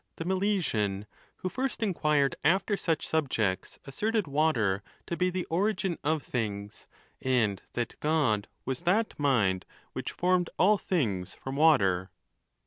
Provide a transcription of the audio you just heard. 219 the Milesian, who first inquired after such subjects, assert ed water to be the origin of things, and that God was that mind which formed all things from water.